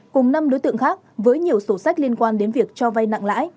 cùng năm đối tượng khác với nhiều sổ sách liên quan đến việc cho vay nặng lãi